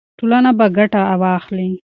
ټولنه به ګټه واخلي.